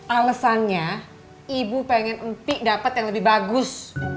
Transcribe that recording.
alasannya ibu pengen empi dapat yang lebih bagus